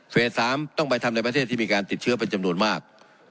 ๓ต้องไปทำในประเทศที่มีการติดเชื้อเป็นจำนวนมาก